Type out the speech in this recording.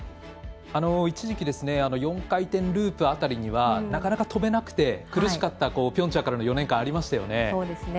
一時期４回転ループ辺りにはなかなか跳べなくて苦しかったピョンチャンからの４年間がありましたよね。